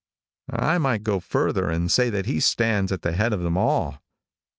I might go further and say that he stands at the head of them all.